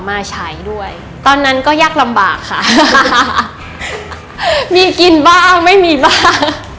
มาใช้ด้วยตอนนั้นก็ยากลำบากค่ะมีกินบ้างไม่มีบ้าง